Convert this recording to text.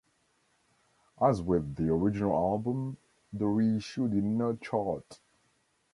As with the original album, the reissue did not chart.